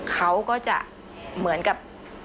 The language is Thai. เขาก็จะเหมือนกับ